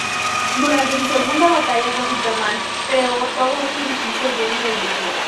Durante su segunda batalla con Superman, creó todo un edificio lleno de ilusiones.